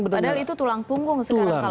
padahal itu tulang punggung sekarang